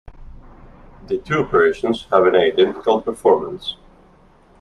The two operations have an identical performance.